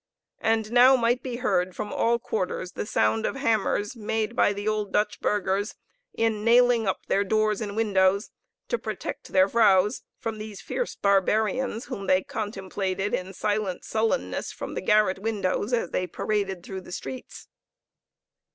And now might be heard from all quarters the sound of hammers made by the old Dutch burghers, in nailing up their doors and windows, to protect their vrouws from these fierce barbarians, whom they contemplated in silent sullenness from the garret windows as they paraded through the streets.